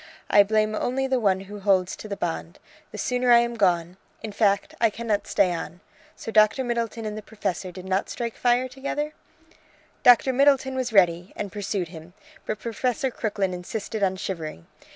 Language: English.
I blame only the one who holds to the bond. The sooner I am gone! in fact, I cannot stay on. So Dr. Middleton and the Professor did not strike fire together?" "Doctor Middleton was ready, and pursued him, but Professor Crooklyn insisted on shivering.